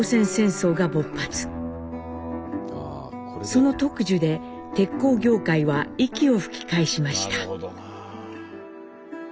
その特需で鉄鋼業界は息を吹き返しました。